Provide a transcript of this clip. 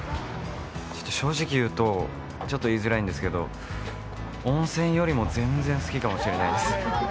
正直言うとちょっと言いづらいんですけど温泉よりも全然好きかもしれないです。